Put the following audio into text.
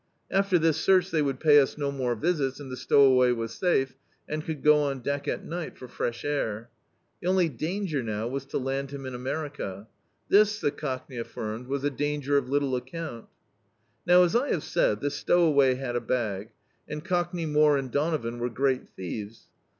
After this search they would pay us no more visits, and the stowaway was safe, and could go on deck at night for fresh air. The cmly danger now was to land him in America. This, the Cockney alBrmed, was a danger of little account Now, as I have said, this stowaway had a bag, and Cockney More and Donovan were great thieves.